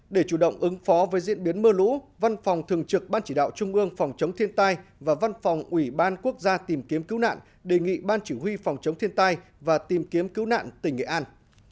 để chủ động ứng phó với diễn biến mưa lũ văn phòng thường trực ban chỉ đạo trung ương phòng chống thiên tai và văn phòng ủy ban quốc gia tìm kiếm cứu nạn đề nghị ban chỉ huy phòng chống thiên tai và tìm kiếm cứu nạn tỉnh nghệ an